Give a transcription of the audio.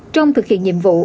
trong thực hiện nhiệm vụ